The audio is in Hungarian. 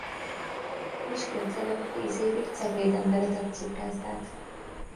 Miskolc előtt tíz évig Cegléden vezetett cukrászdát.